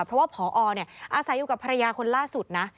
เพราะว่าพออาศัยอยู่กับภรรยาคนล่าสุดนะ